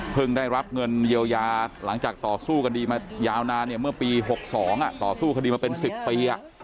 ได้รับเงินเยียวยาหลังจากต่อสู้คดีมายาวนานเมื่อปี๖๒ต่อสู้คดีมาเป็น๑๐ปี